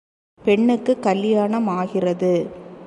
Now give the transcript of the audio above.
பெண்ணுக்குக் கல்யாணம் ஆகிறது.